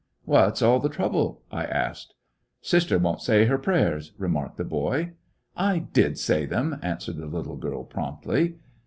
"What 's all the trouble! " I asked. "Sister won't say her prayers," remarked the boy. "I did say them," answered the little girl, promptly.